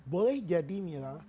boleh jadi mila